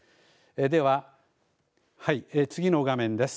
では、次の画面です。